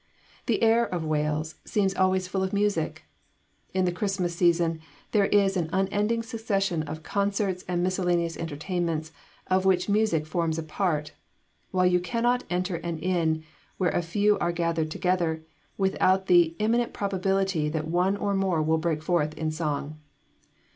The air of Wales seems always full of music. In the Christmas season there is an unending succession of concerts and of miscellaneous entertainments of which music forms a part, while you cannot enter an inn where a few are gathered together, without the imminent probability that one or more will break forth in song.